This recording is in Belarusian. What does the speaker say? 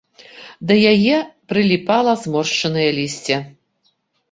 Да яе прыліпала зморшчанае лісце.